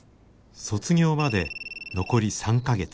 卒業まで残り３か月。